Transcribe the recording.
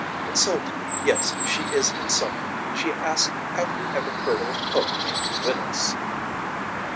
Insulting yes she is insulting she asks have we ever heard of a poet named Willis.